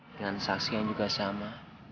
dengan saksi yang juga sama